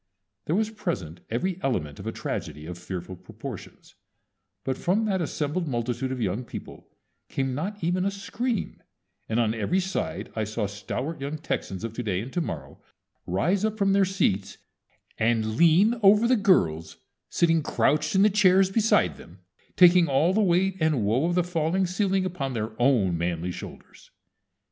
There was present every element of a tragedy of fearful proportions; but from that assembled multitude of young people came not even a scream, and on every side I saw stalwart young Texans of To day and To morrow rise up from their seats, and _lean over the girls sitting crouched in the chairs beside them, taking all the weight and woe of that falling ceiling upon their own manly shoulders_!